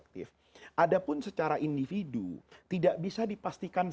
tidak bisa dipastikan